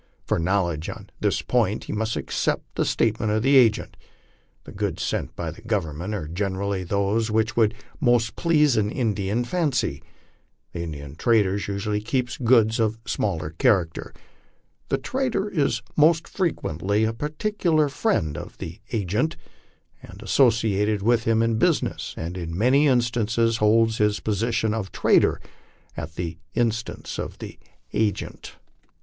For knowledge on this point he must accept the state ment of the agent. The goods sent by the Government are generally those which would most please an Indian's fancy. The Indian trader usually keeps goods of a similar character. The trader is most frequently a particular friend of the agent, often associated with him in business, and in many instances holds bis position of trader at the instance of the agent.